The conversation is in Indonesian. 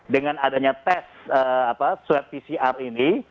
dengan adanya tes swab pcr ini